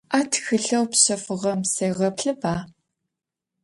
А тхылъэу пщэфыгъэм сегъэплъыба.